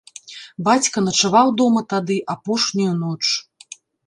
Бацька начаваў дома тады апошнюю ноч.